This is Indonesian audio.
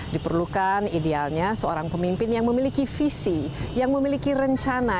diperlukan idealnya seorang pemimpin yang memiliki visi yang memiliki rencana